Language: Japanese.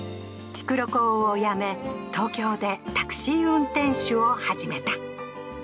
築炉工を辞め、東京でタクシー運転手を始めた。